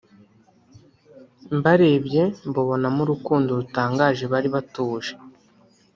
Mbarebye mbabonamo urukundo rutangaje bari batuje